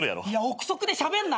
臆測でしゃべんな。